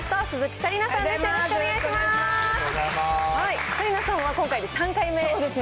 紗理奈さんは今回で３回目ですね。